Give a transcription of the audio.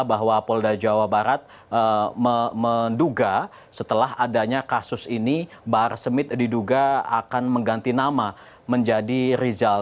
bahwa polda jawa barat menduga setelah adanya kasus ini bahar smith diduga akan mengganti nama menjadi rizal